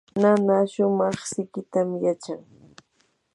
nana shumaq siqitam yachan.